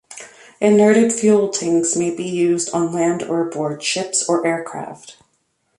"Inerted" fuel tanks may be used on land, or aboard ships or aircraft.